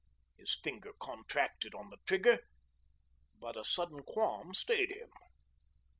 His finger contracted on the trigger, but a sudden qualm stayed him.